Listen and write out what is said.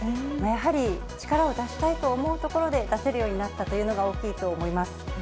やはり力を出したいと思うところで出せるようになったというのが大きいと思います。